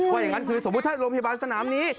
อย่างนั้นคือสมมุติถ้าโรงพยาบาลสนามนี้